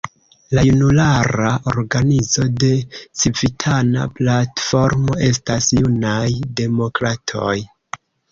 La junulara organizo de Civitana Platformo estas Junaj Demokratoj.